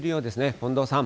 近藤さん。